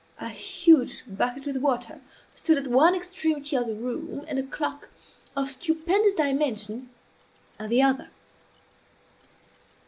A huge bucket with water stood at one extremity of the room, and a clock of stupendous dimensions at the other.